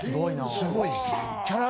すごいです。